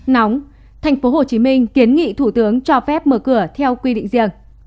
nóng thành phố hồ chí minh kiến nghị thủ tướng cho phép mở cửa theo quy định riêng